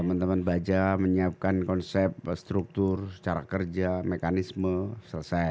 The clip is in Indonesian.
teman teman baja menyiapkan konsep struktur cara kerja mekanisme selesai